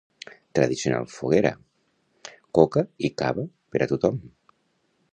Tradicional foguera, coca i cava per a tothom.